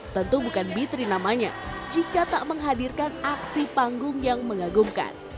tentu bukan b tiga namanya jika tak menghadirkan aksi panggung yang mengagumkan